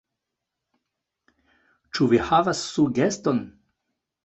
Ĉu vi havas sugeston?